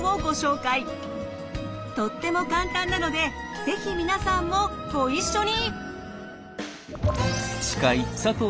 とっても簡単なので是非皆さんもご一緒に。